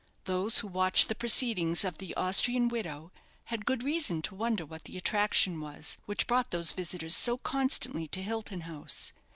Those who watched the proceedings of the Austrian widow had good reason to wonder what the attraction was which brought those visitors so constantly to Hilton House.